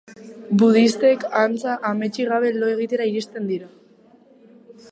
Budistek, antza, ametsik gabe lo egitera iristen dira.